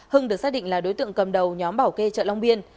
hưng được xác định là đối tượng cầm đầu nhóm bảo kê chợ long biên